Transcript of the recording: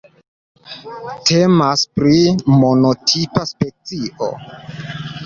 Temas pri monotipa specio.